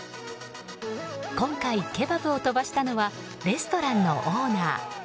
今回ケバブを飛ばしたのはレストランのオーナー。